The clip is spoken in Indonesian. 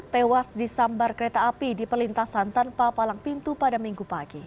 tewas disambar kereta api di perlintasan tanpa palang pintu pada minggu pagi